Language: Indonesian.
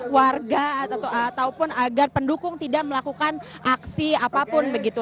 warga ataupun agar pendukung tidak melakukan aksi apapun begitu